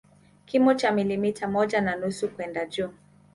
Kimo cha milimita moja na nusu kwenda juu